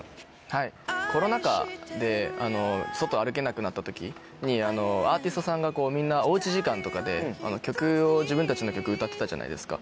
はいコロナ禍で外歩けなくなった時にアーティストさんがみんなお家時間とかで自分たちの曲歌ってたじゃないですか。